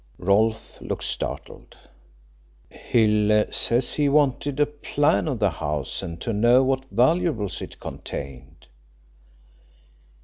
Rolfe looked startled. "Hill says he wanted a plan of the house and to know what valuables it contained."